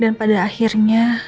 dan pada akhirnya